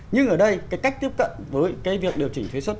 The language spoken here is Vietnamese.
nhưng ở đây cái cách tiếp cận với cái việc điều chỉnh thuế xuất